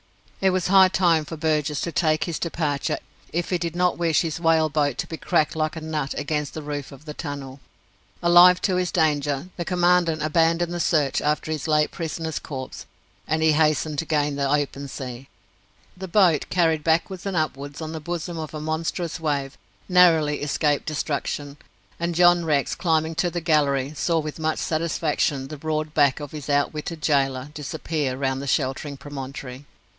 It was high time for Burgess to take his departure if he did not wish his whale boat to be cracked like a nut against the roof of the tunnel. Alive to his danger, the Commandant abandoned the search after his late prisoner's corpse, and he hastened to gain the open sea. The boat, carried backwards and upwards on the bosom of a monstrous wave, narrowly escaped destruction, and John Rex, climbing to the gallery, saw with much satisfaction the broad back of his out witted gaoler disappear round the sheltering promontory.